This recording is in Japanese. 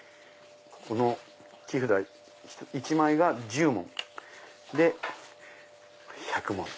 この木札１枚が１０文。で１００文！